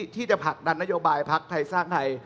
ที่จะผลักดันนโยบายพักไทยสร้างไทย